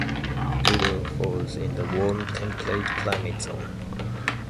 Dubbo falls in the warm temperate climate zone.